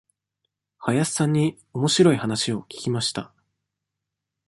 林さんにおもしろい話を聞きました。